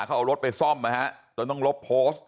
เขาเอารถไปซ่อมเราต้องลบโพสต์